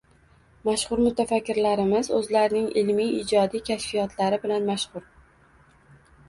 Mashhur mutafakkirlarimiz oʻzlarining ilmiy-ijodiy kashfiyotlari bilan mashhur